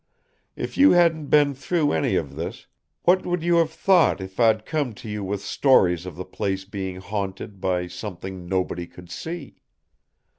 If you hadn't been through any of this, what would you have thought if I'd come to you with stories of the place being haunted by something nobody could see?